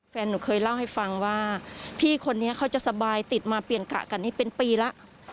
แฟนหนูเคยเล่าให้ฟังว่าพี่คนนี้เขาจะสบายติดมาเปลี่ยนกะกันนี่เป็นปีแล้ว